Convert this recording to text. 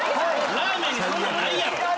ラーメンにそんなんないやろ！